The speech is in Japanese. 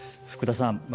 福田さん